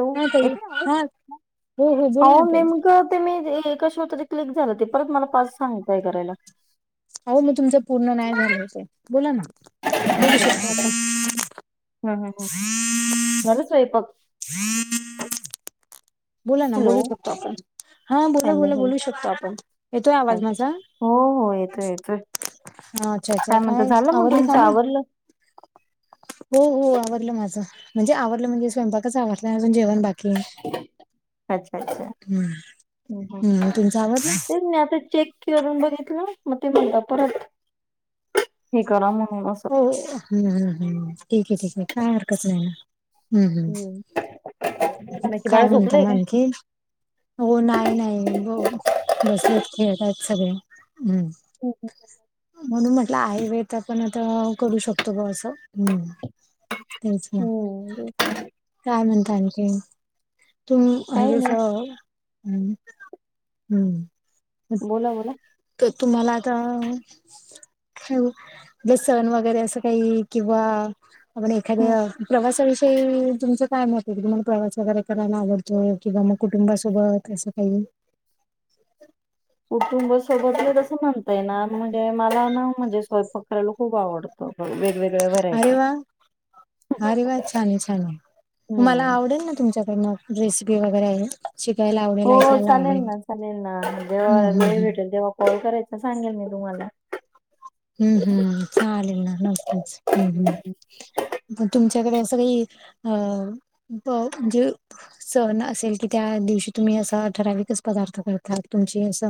हो. हा ताई येतोय आवाज? हा [unintelligible] हो हो बोला ना नाही ताई मग ते मी ए कशावर तरी क्लिक झालं. ते परत मला, पाच सांगताय करायला. अहो, मग तुमचं, पूर्ण नाही झालं असेल. बोला ना. बोलू शकतो, आपण. हम्म हम्म हम्म. झालं स्वयपाक. बोला ना, हॅलो बोलू शकतो आपण. हा बोला - हॅलो बोला. हॅलो. बोलू शकतो आपण. येतोय आवाज अच्छा. माझा? हो, हो. येतोय, येतोय. हा अच्छा अच्छा काय म्हणत? झालं मग, आवरली तुमचं काम आवरलं? [inaudible] हो, हो. आवरलं माझं. म्हणजे आवरलं म्हणजे, स्वयंपाकाच आवरलं. अजून जेवण बाकीय. अच्छा- अच्छा. ह हम्म तुमचं आवरलं तेच नाही आता चेक करून बघितलं. मग ते म्हणत. परत हे करा म्हणून असं. हो. हम्, हम. ठीकय- ठीकय. काय हरकत नाही मग. हम्, हम्. हम्म बाकी बाळ काय म्हणता, झोपलंय म काय? आणखीन? हो. नाही - नाही. ब बसलेत खेळत आज सगळे. हम्. ह, ह. म्हणून म्हटलं, आहे वेत आपण आता करू शकतो, ब असं. तेच ना. हम्म काय, म्हणता आणखीन? तु काही नाही [unintelligible] हम्, हम. असं. बोला - बोला. तर तुम्हाला आता अ ह, सण वगैरे असं काही, किंवा आपण हं एखाद्या, प्रवासाविषयी ते तुमचं काय मतय की, तुम्हाला प्रवास वगैरे, करायला आवडतोय. किंवा मग कुटुंबासोबत. असं काही. कुटुंब सोबत तसं म्हणताय ना. म्हणजे मलाय ना, म्हणजे स्वयंपाक करायला खूप आवडत. ह, वेगवेगळ्या व्हर अरे, वा! अरे, वा! छानय, छानय. मला हम्म आवडेल ना, तुमच्या मग रेसिपी वगैरे अजून शिकायला आव हो, चालेल ना. चालेल ना. जेव्हा हम्म हम्म वेळ हम्म भेटेल तेव्हा, कॉल करायचा सांगेल मी तुम्हाला. हम्म, हम्म चालेल ना नक्कीच हम्म, हम्म म तुमच्याकडे असं काही अ [unintelligible] सण असेल की त्या दिवशी तुम्ही असं ठराविकच पदार्थ करतात तुमची अस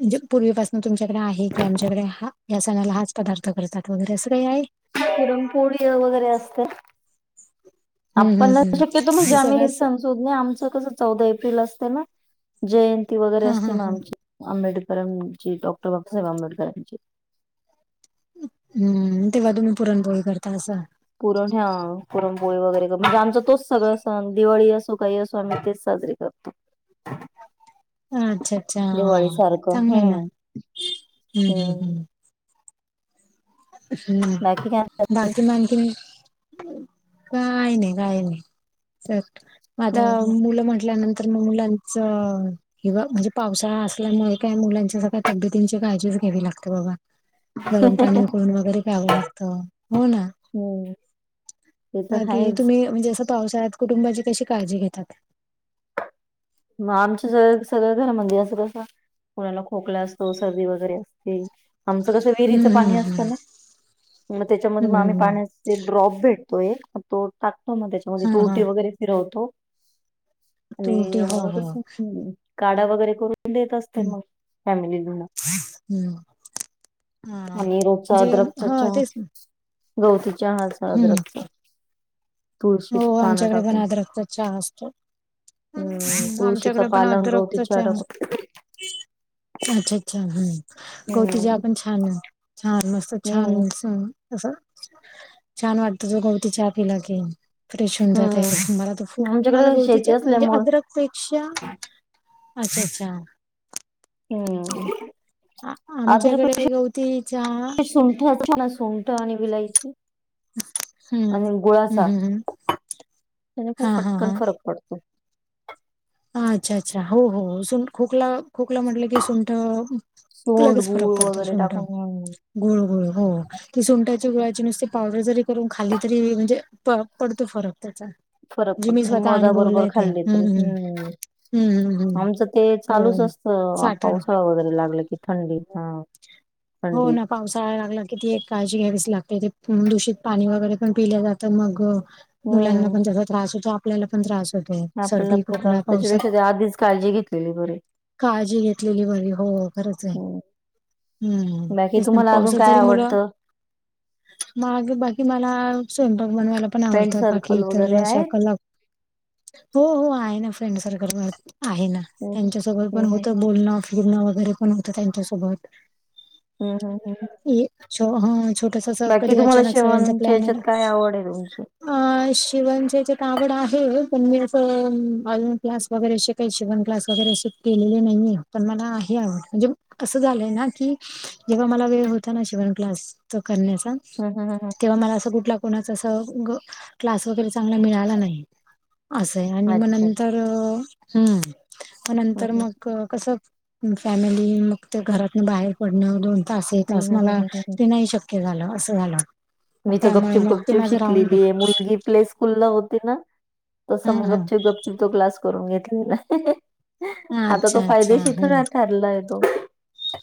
म्हणजे पूर्वीपासून तुमच्याकडे आहे कि आमच्याकडे हा या सणाला हाच पदार्थ करतात वगैरे असं काही आहे पुरणपोळी वगैरे असते हम्म हम्म आपणच हम्म शक्यतो म्हणजे ते आम्ही हे सगळंच सण शोध आमच कस चौदा एप्रिल असते ना जयंती वगैरे हा असते हा म हा आमची आंबेडकरांची डॉक्टर बाबासाहेब आंबेडकरांची हम्म तेव्हा तुम्ही पुरणपोळी करता असं पुरण ह्या पुरणपोळी वगैरे म्हणजे आमचं तोच सगळं सण दिवाळी असो काही असो आम्ही तेच साजरे [unintelligible] ह अच्छा, दिवाळी अच्छा सारखं चांगलं ना हम्म हम्म हम् हम् बाकी काय बाकी म आणखीन काय नाही, काय नाही चल म आता हम्म मुलं म्हटल्यानंतर तर मुलांचं किंवा म्हणजे पावसाळा असल्यामुळे काय मुलांच्या सग काय तब्यतींची काळजीच घ्यावी लागते बाबा गरम पाणी [unintelligible] वगैरे प्यावं लागत हो ना हम्म ते तर बाकी आहेच तुम्ही म्हणजे असं पावसाळ्यात कुटुंबाची कशी काळजी घेतात मग आमच्या स सगळ्या घरामध्ये असं कसं कुणाला खोकला असतो सर्दी वगैरे असते आमचं कसं विहरीचं हम्म हम्म पाणी असतं ना मग त्याच्यामध्ये मग हम्म हम्म आम्ही हम्म हम्म. पाण्याचे ड्रॉप भेटतोय एक तो टाकतो ना त्याच्यामध्ये हा हा तुरटी वगैरे फिरवतो आणि तुटी हो हो कसं काढा वगैरे करून देत असते हम्म मग फॅमिलीना हम्म हा आणि रोजचा म्हणजे अदरकचा हा चहा तेच ना. गवती चहा असा हम्म अद्रकचा हो तुळशीची पानं आमच्याकडे पन टाकून आदरकचाच चहा असतो हम्म तुळशीचा आमच्याकडे पण पाला आणि गवती अद्रकचा चहा टाकून असतो अच्छा, अच्छा हम्म हम्म गौती चहा पण छान आहे छान मस्त छान हम्म अस छान वाटत जो गवती हा पिला की फ्रेश होऊन जात हम्म आहे मला तर खूप मला आमच्याकडे शेती गवतीच्या म्हणजे असल्यामुळं अदरक पेक्षा अच्छा, अच्छा हम्म अद्रक आमच्याकडे गवती चहा सुंठ अस ना सुंठ आणि विलाईची हम्म आणि हम्म गुळाचा हम्म हम्म त्याने पण हा हा पटकन हा फरक पडतो हा अच्छा, अच्छा हो, हो सुंठ खोकला, खोकला म्हटलं की सुंट सोंड लगेच फरक गुळ पडतो वगैरे सुंट टाकून गुळ, गुळ हो की सुंटाची गुळाची नुसती पावडर जरी करून खाल्ली तरी म्हणजे पडतो फरक त्याचा फरक जे मी पडतो स्वतः मधा बरोबर अनुभवलंय ते खाल्ली हम्म तरी हम्म हम्म हम्म हम्म आमचं ते हो चालूच असतं साठण पावसाळा वगैरे लागलं कि थंडीत हा हो थंडीत ना पावसाळा लागला कि, ती एक काळजी घ्यावीच लागते, ते दूषित पाणी वगैरे पण पिले जातं, मग मुलांना हम्म पण त्याचा त्रास होतो, आ आपल्याला पण त्रास होतो, आपल्याला सर्दी, पण त्रास खोकला त्याच्यापेक्षा ते पावसात आधीच काळजी घेतलेली बरी काळजी घेतलेली बरी हो, खरंच ये. हम्म हम्म, बाकी तेच त तुम्हाला अजून पावसात काय जरी मुलं आवडतं मागे बाकी मला, स्वयंपाक बनवायला पण फ्रेंड आवडत, बाकी सर्कल इतर वगैरे अशा आहेत कला हो-हो आहे ना फ्रेंड सर्कल मां, आहे ना, हम्म त्यांच्या सोबत पण हम्म हम्म होतं बोलणं [unintelligible] वगैरे पण होत त्यांच्यासोबत. हम हम हम्म. ये छो हं छोटस असं बाकी कधी, तुम्हाला अचानक सगळ्यांच्या शेवणच्या प्लॅन याच्यात ना काय आवड आहे तुमची अं, शिवनचे याच्यात त आवड आहे, पण मी असं अम आजू क्लास वगैरे अशे काही शिकवण क्लास वगैरे असे केलेली नाहीेये, पण मला आहे आवड, म्हणजे तसं झालंय ना की जेव्हा मला वेळ होता ना, शीवण क्लास च करण्याचा, हम्म हम्म हम्म हम्म. तेव्हा मला असं कुठला कोणाचा असं उग क्लास वगैरे चांगला मिळाला नाही, असंय आणि अच्छा मग अच्छा नंतर अ, ह्म. म हं, नंतर हं. मग कस, फॅमिली मग ते घरातन बाहेर पडणं, दोन तास हे हं, तास हं, हं, मला हं, हं, हं. ते नाही शक्य झालं, असं झालं. मी त त्यामुळे मग ते गपचुप-गपचूप माझं राहून गे शिकलेली ये, मुलगी प्ले स्कूल ला होती ना, हा तसं मग हा गपचिप-गपचिप तो क्लास करून घेतलेला. हा आता तो अच्छा अच्छा फायदेशी ह इथं [unintelligible] हे ठरलाय तो.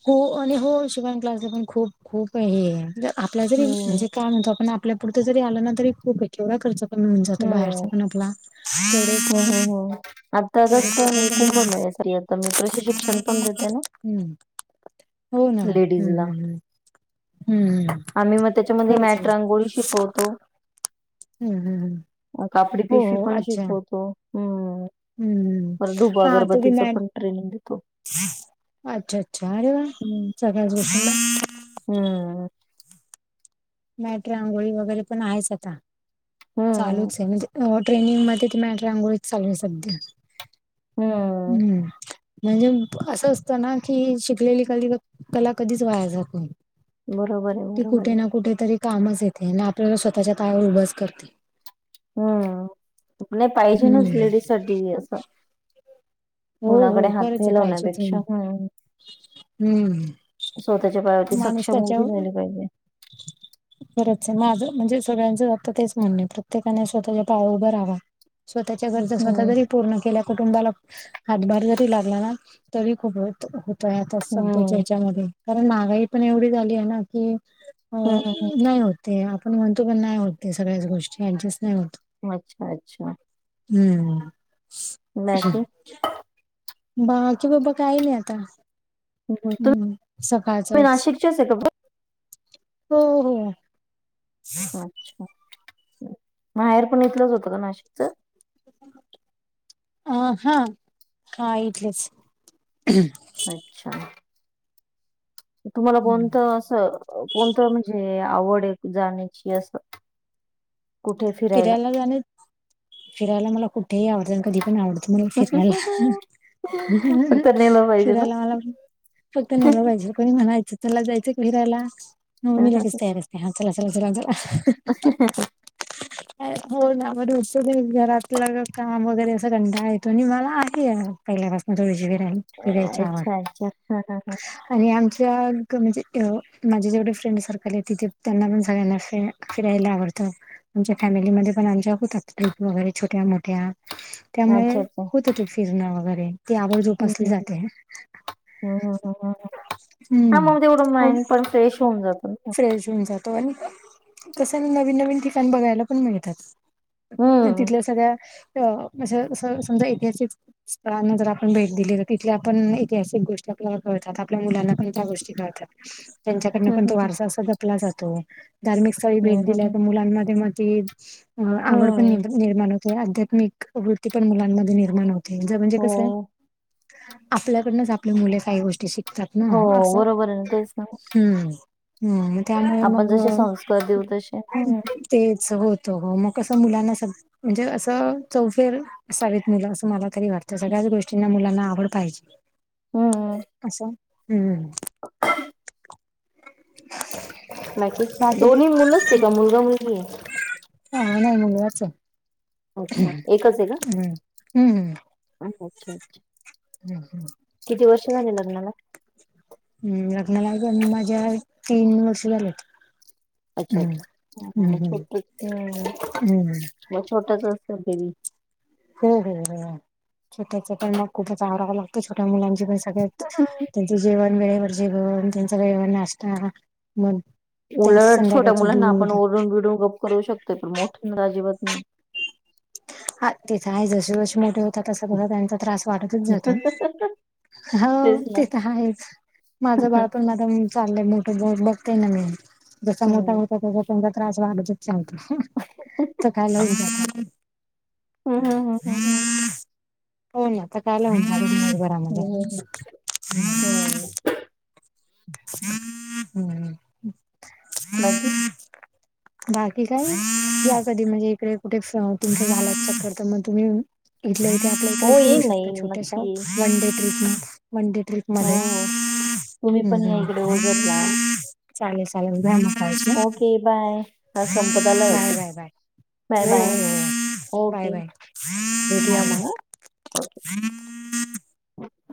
हो आणि हो शिवन क्लासला पण, खूप-खूप हे म्णजे आपल्या जरी, हं, म्हणजे काय म्हणता, पण आपल्या पुरतं जरी आलं ना, तरी खूप ये. केवढा खर्च कमी होउऊन जातो बाहेरचा, हं. पण आपला तेवढ हो, आ त कसं मी कुंभमेळे झाले त, मी प्रशिक्षण पण देते ना. हम्म. हो ना, लेडीजला. हम्म-हम्म-हम्म. हम्म, आम्ही मग त्याच्यामध्ये खरच मॅट ना. रांगोळी शिकवतो, हम्म-हम्म-हम्म. कापडी पिशवी पण शिकवतो. हम्म पर धूप अगरबतीचं पण, ट्रेनिंग देतो. अच्छा-अच्छा, अरे वा, सगळ्या गोष्टी हम्म. मॅट्रो आंघोळी वगैरे पण आहेच आता, हं. चालूच ये म्हणजे अ ट्रेनिंग मध्ये, ते मॅट रांगोळीच चालू ये सध्या. हम्म. हम्म. म्हणजे असं असतं ना की, शिकलेली कली-कला कधीच वाया जात नाही. बरोबर ये, बरोबर ये. कुठेतरी कामच येते अन आपल्याला स्वतःच्या पायावर उभंच करते. हम्म, आपलं पाहिजे ना, हम्म लेडीजसाठी असं हो कोणाकडे हो हात खरंच आहे पाहिजेच फेलवण्यापेक्षा, ह्म. हम्म स्वतःच्या पायावरती माणूस सक्षम उभी त्याच्यावर राहिली पाहिजे. [unintelligible] खरंच. माझं, म्हणजे सगळ्यांचं आता तेच म्हणणय. प्रत्येकाने, स्वतःच्या पायावर उभं राहावा. स्वतःच्या गरजा, स्वतः हम्म जरी पूर्ण केल्या. कुटुंबाला हातभार जरी लागला ना, तरी खूप हो होतय. आता सध्याच्या हम्म ह्याच्यामध्ये. कारण महागाई पण एवढी झालीय, ना की, अ हम्म हम्म नाही होत. ते आपण म्हणतो, पण नाही होत ते सगळ्याच गोष्टी. ऍडजस्ट नाही होत. अच्छा - अच्छा. हम्म. बाकी? बाकी बाबा, काही नाही आता. हम्म, तुम्ही सकाळचच. नाशिकचेच आहे का हो, हो. पण [inaudible] अच्छा. माहेर पण इथलंच होतं, का? नाशिकच. अं, हं. हा, इथलेच. अच्छा. तुम्हाला हं. कोणतं? असं कोणतं? म्हणजे आवडय, जाण्याची असं. फिरायला जाणे. फिरायला मला कुठेही आवडत. कधी पण आवडतो, मला फिरायला. फक्त [unintelligible] नेलं पाहिजे ना फिरायला मला पण फक्त नेल पाहिजेल. कोणी म्हणायचं, चला जायचं का फीरायला? म मी लगेच तयार असते. हा चला, चला, चला, चला. [unintelligible] हो, ना. म रोजच घरातलं काम वगैरे, असं कंटाळा येतो आणि मला आहे यार पहिल्यापासून, थोडीशी. [unintelligible] आवड अच्छा - अच्छा. ह, ह, ह. आणि आमच्या क म्हणजे, अ माझे जेवढे फ्रेंड सर्कलय. तिथे त्यांना पण सगळ्यांना फ्री [unintelligible] फिरायला आवडत. आमच्या फॅमिलीमध्ये पण, आमच्या होतात ट्रिप वगैरे छोट्या- मोठ्या. त्यामुळे, अच्छा अच्छा होतं ते फिरणं वगैरे. ती आवड जोपासली जाते. हं. हम्, ह, ह, ह. हम्म त्यामुळं तेवढं खूप माइंड पण, फ्रेश होऊन जात न. पण, कस नवीन- नवीन ठिकाण बघायला पण मिळतात. ते हम्म तिथल्या सगळ्या, अं अस - अस समजा ऐतिहासिक स्थळांना जर आपण भेट दिली. तर तिथल्या आपण, ऐतिहासिक गोष्टी आपल्याला कळतात. आपल्या मुलांना पण त्या गोष्टी कळतात. [inaudible] त्यांच्याकडन हम्म पण तो हम्म वारसा असा जपला जातो. धार्मिक स्थळी भेट हम्म हम्म दिल्या, तर मुलांमध्ये मग ती अ आवड पण हम्म. निर - निर्माण होते. आध्यात्मिक वृत्ती पण मुलांमध्ये निर्माण होते. म्हणजे हो कसय. आपल्याकडनच, आपली मुले काही गोष्टी शिक तात ना. हो असं. बरोबर आहे ना तेच ना हम्म. हम्, मग त्यामुळे आपण मग जसे संस्कार देऊ तसे हम्म तेच होतं. हो, मग कसं मुलांना स म्हणजे असं, चौफेर असावीत मुलं. असं मला तरी वाटतं. सगळ्याच गोष्टींना मुलांना आवड पाहिजे. हम्म अस. हम्म. बाकी. दोन्ही मुलचय का? मुलगा, मुलगीय? हा, नाही. मुलगाचय. अच्छा. एकचय का? हम्म हम्म अच्छा- अच्छा. हम्म किती वर्ष झाली लग्नाला? हम्, लग्नाला झाली माझ्या, तीन वर्ष झालेत. अच्छा- हम्म अच्छा. हम्म म हम्म छोटं, अं हम्म मग छोटच असलं बेबी. हो. हो. हो. छोट्याच पण मग खूपच आवराव लागत. छोट्या मुलांची पण सगळ त्यांचं जेवण वेळेवर जेवन, त्यांचा वेळेवर नाश्ता मग त्यांच उलट छोट्या संध्याकाळचं मुलांना दूध आपण ओरून बिडून गप करू शकतोय. पण मोठं अजिबात नाही. हा. ते तर आहे. जशी जशी मोठे होतात तसं बघा त्यांचा त्रास वाढतच जात. हाव तेच ना. ते तर आहेच. माझं बाळ हं. पण माझ चालय मोठ बघते ना मी, जसा मोठा हं, होता तसा त्यांचा त्रास वाढत चालत काय [unintelligible] हं, हं, हं, हं. हो ना, आता काल हं, [unintelligible] हं, [unintelligible] हं. हम्म. बाकी बाकी काय, या कधी म्हणजे इकडे कुठे तुमच झालं तर, मग तुम्ही इथल्या इथे आपल्या हो इकडे येऊ येईल ना शकता. येईल छोट्याशा नक्की येईल. One day trip one day हो, ट्रीपमध्ये. हो. तुम्ही पण या इकडे ओझरला. चालेल. चालेल. बाय. ओके, बाय, हा संपत आलाय बाय वाटतं. बाय बाय बाय हो बाय, हो हो बाय ओके. बाय भेटूया नाही मग. ओके. [inaudible]